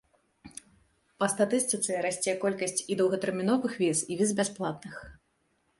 Па статыстыцы, расце колькасць і доўгатэрміновых віз, і віз бясплатных.